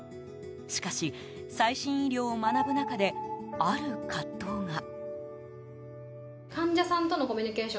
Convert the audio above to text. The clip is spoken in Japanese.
しかし、最新医療を学ぶ中である葛藤が。